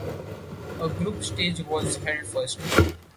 A group stage was held first.